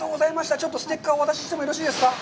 ちょっとステッカーをお渡ししてもよろしいですか？